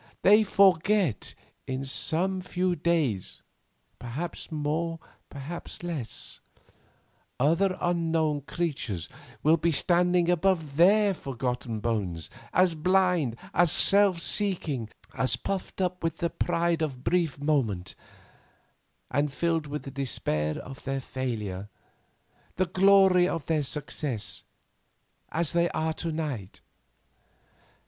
They forget that in some few days—perhaps more, perhaps less—other unknown creatures will be standing above their forgotten bones, as blind, as self seeking, as puffed up with the pride of the brief moment, and filled with the despair of their failure, the glory of their success, as they are to night."